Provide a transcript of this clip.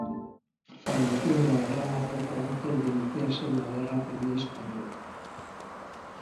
Falleció en Guadarrama, poco antes de iniciarse la Guerra Civil Española.